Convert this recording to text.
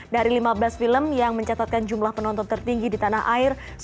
dari lima belas film yang mencatatkan jumlah penonton tertinggi di tanah air